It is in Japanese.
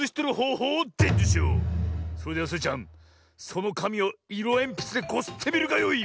それではスイちゃんそのかみをいろえんぴつでこすってみるがよい。